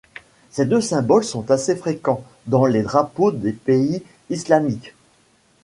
Ces deux symboles sont assez fréquents dans les drapeaux des pays islamiques.